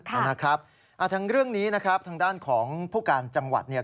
ทั้งเรื่องนี้ทางด้านของผู้การจังหวัดเนี่ย